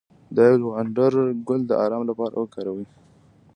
د لیوانډر ګل د ارام لپاره وکاروئ